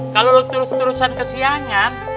kalau terus terusan kesiangan